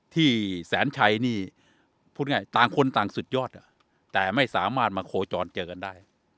ที่แสนชัยนี่พูดง่ายต่างคนต่างสุดยอดแต่ไม่สามารถมาโคจรเจอกันได้